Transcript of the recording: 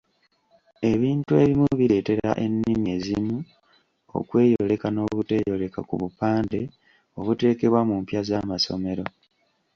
Ebintu ebimu bireetera ennimi ezimu okweyoleka n'obuteeyoleka ku bupande obuteekebwa mu mpya z'amasomero.